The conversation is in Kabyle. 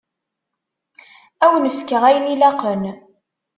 Ad wen-fkeɣ ayen ilaqen.